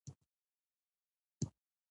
جریان د تودوخې د انتقالولو یوه طریقه ده.